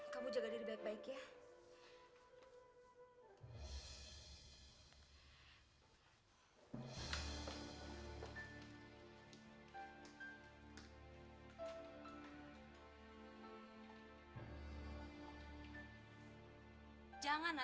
kamu jaga diri baik baik ya